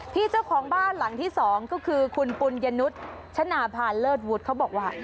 เจ้าของบ้านหลังที่๒ก็คือคุณปุญญนุษย์ชนะพานเลิศวุฒิเขาบอกว่า